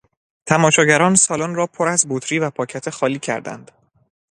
تماشاگران سالن را پر از بطری و پاکت خالی کردند.